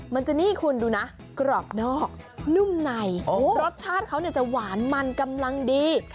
มันจะนี่คุณดูนะกรอบนอกนุ่มในรสชาติเขาเนี่ยจะหวานมันกำลังดี